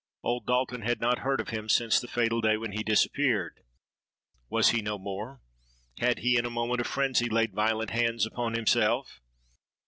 Old Dalton had not heard of him since the fatal day when he disappeared. Was he no more? had he in a moment of frenzy laid violent hands upon himself?